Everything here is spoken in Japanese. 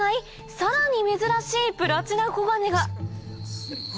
さらに珍しいプラチナコガネが何？